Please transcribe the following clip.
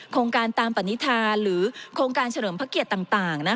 โครงการตามปณิธาหรือโครงการเฉลิมพระเกียรติต่าง